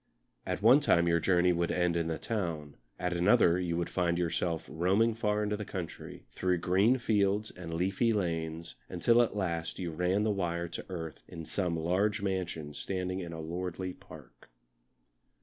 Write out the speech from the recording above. At one time your journey would end in the town, at another you would find yourself roaming far into the country, through green fields and leafy lanes until at last you ran the wire to earth in some large mansion standing in a lordly park.